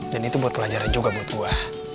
dan itu buat pelajaran juga buat gue